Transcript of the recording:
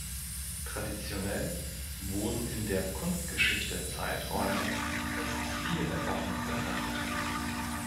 Traditionell wurden in der Kunstgeschichte Zeiträume als Stilepochen betrachtet.